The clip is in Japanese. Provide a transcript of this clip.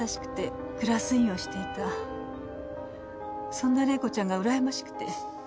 そんな玲子ちゃんがうらやましくて。